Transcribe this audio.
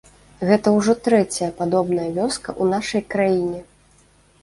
Гэта ўжо трэцяя падобная вёска ў нашай краіне.